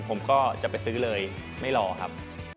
ผมก็จะไปซื้อเลยไม่รอครับ